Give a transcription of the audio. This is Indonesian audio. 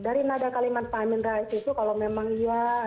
dari nada kalimat pak amin rais itu kalau memang iya